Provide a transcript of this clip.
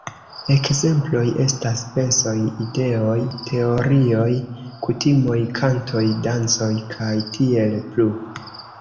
Ekzemploj estas pensoj, ideoj, teorioj, kutimoj, kantoj, dancoj kaj tiel plu.